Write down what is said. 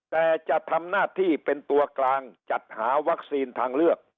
แต่จะทำหน้าที่เป็นตัวกลางจัดหาวัคซีนทางเลือก